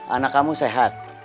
anak kamu sehat